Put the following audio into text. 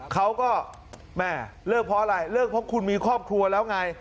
เขาก็แม่เลิกเพราะอะไรเลิกเพราะคุณมีครอบครัวแล้วไง